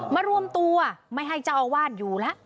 มารวมตัวไม่ให้เจ้าอาวาสอยู่แล้ว